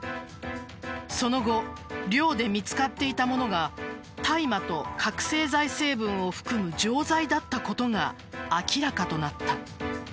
その後寮で見つかっていたものが大麻と覚せい剤成分を含む錠剤だったことが明らかとなった。